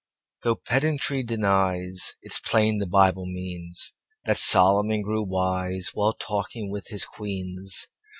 Though pedantry denies, It's plain the Bible meansThat Solomon grew wiseWhile talking with his queens.